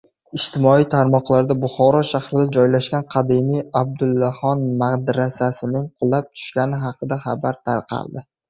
Ijtimoiy tarmoqlarda Buxoro shahrida joylashgan qadimiy Abdullaxon madrasasining qulab tushgani haqida xabarlar tarqaldi.